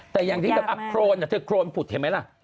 แต่อย่างที่แบบโครนเธอโครนผุดเห็นไหมล่ะ